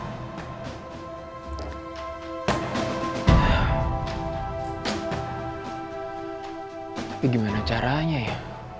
tapi gimana caranya ya